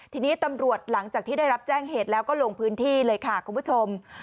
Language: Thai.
ทีนี้ตำรวจหลังจากที่ได้รับแจ้งเหตุแล้วก็ลงพื้นที่เลยค่ะคุณผู้ชม